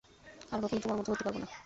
আর কখনো তোমার মতো হতে পারব না!